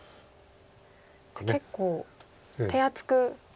じゃあ結構手厚く。